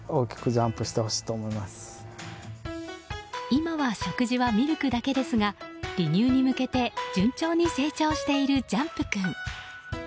今は食事はミルクだけですが離乳に向けて順調に成長しているジャンプ君。